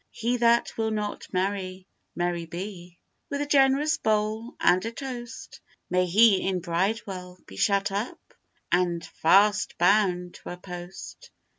He that will not merry, merry be, With a generous bowl and a toast, May he in Bridewell be shut up, And fast bound to a post.